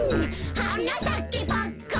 「はなさけパッカン」